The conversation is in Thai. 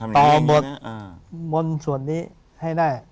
ต่อบทมนต์ส่วนนี้ให้ได้